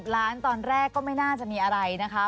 ล้านตอนแรกก็ไม่น่าจะมีอะไรนะคะ